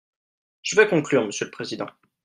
Je vais conclure, monsieur le président.